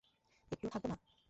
একটুও থাকব না?